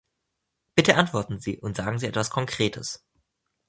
Bitte antworten Sie und sagen Sie etwas Konkretes.